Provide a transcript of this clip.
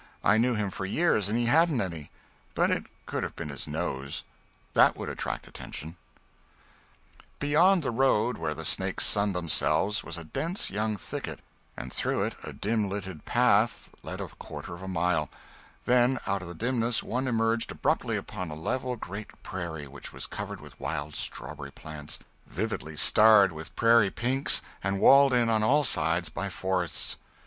I knew him for years, and he hadn't any. But it could have been his nose. That would attract attention. Beyond the road where the snakes sunned themselves was a dense young thicket, and through it a dim lighted path led a quarter of a mile; then out of the dimness one emerged abruptly upon a level great prairie which was covered with wild strawberry plants, vividly starred with prairie pinks, and walled in on all sides by forests.